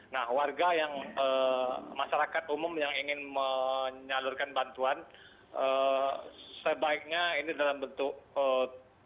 nah warga yang masyarakat umum yang ingin menyalurkan bantuan sebaiknya ini dalam bentuk